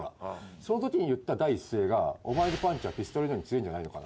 そのときに言った第一声が「お前のパンチはピストルのように強いんじゃないのか？」